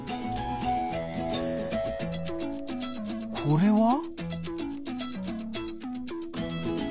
これは？